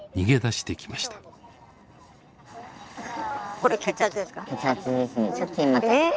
これ血圧ですか？